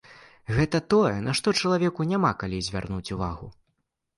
Гэта тое, на што чалавеку няма калі звярнуць увагу.